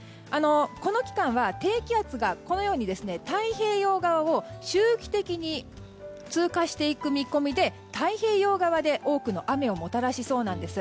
この期間は低気圧が太平洋側を周期的に通過していく見込みで太平洋側で多くの雨をもたらしそうなんです。